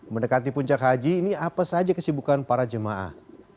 mendekati puncak haji ini apa saja kesibukan para jemaah